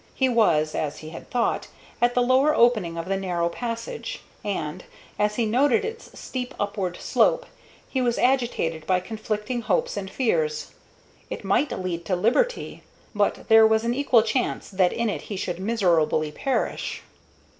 He was, as he had thought, at the lower opening of the narrow passage, and, as he noted its steep upward slope, he was agitated by conflicting hopes and fears. It might lead to liberty, but there was an equal chance that in it he should miserably perish.